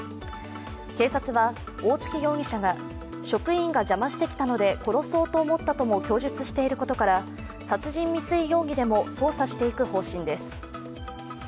警察は、大槻容疑者が職員が邪魔してきたので殺そうと思ったとも供述していることから殺人未遂容疑でも捜査していく方針です。